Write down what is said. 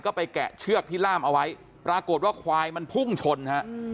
ก็ไปแกะเชือกที่ล่ามเอาไว้ปรากฏว่าควายมันพุ่งชนฮะ